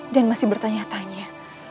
dan masih bertanya tanya